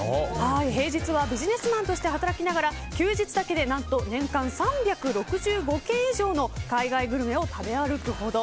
平日はビジネスマンとして働きながら休日だけで何と年間３６５軒以上の海外グルメを食べ歩くほど。